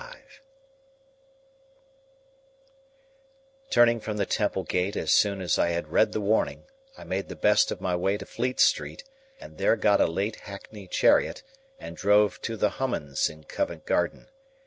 Turning from the Temple gate as soon as I had read the warning, I made the best of my way to Fleet Street, and there got a late hackney chariot and drove to the Hummums in Covent Garden.